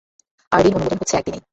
আর ঋণ অনুমোদন হচ্ছে এক দিনেই।